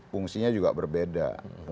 fungsinya juga berbeda